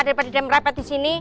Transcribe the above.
daripada dia merapat di sini